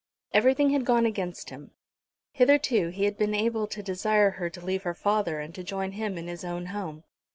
Everything had gone against him. Hitherto he had been able to desire her to leave her father and to join him in his own home.